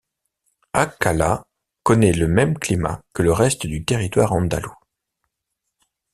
Alcalá connaît le même climat que le reste du territoire andalou.